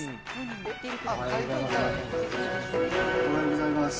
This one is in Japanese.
おはようございます。